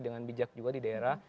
dengan bijak juga di daerah